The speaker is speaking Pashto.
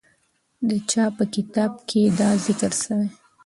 د چا په کتاب کې دا ذکر سوی؟